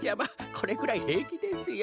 これくらいへいきですよ。